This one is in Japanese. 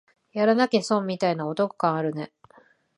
やらなきゃ損みたいなお得感あるね